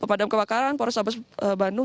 pemadam kebakaran pemadam kebakaran pemadam kebakaran